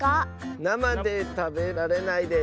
なまでたべられないです。